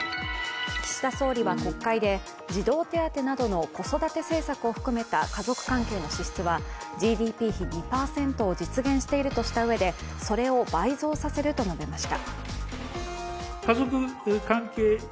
岸田総理は国会で児童手当などの子育て政策も含めた家族関係の支出はＧＤＰ比２％を実現しているとしたうえでそれを倍増させると述べました。